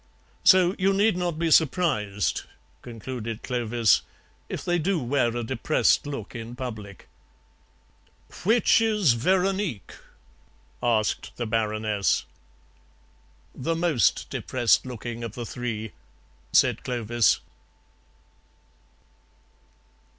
"So you need not be surprised," concluded Clovis, "if they do wear a depressed look in public." "Which is Veronique?" asked the Baroness. "The most depressed looking of the three," said Clovis.